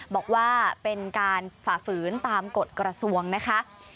บอกว่าเป็นการฝ่าฝืนตามกฎกระทรวงนะคะ